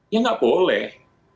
ya nggak boleh